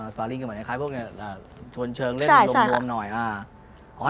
อ๋อสปาลิ้งคือเหมือนกับพวกนี้ชวนเชิงเล่นลมหน่อยอ่าใช่ใช่ค่ะ